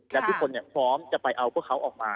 และทุกคนพร้อมจะไปเอาพวกเขาออกมา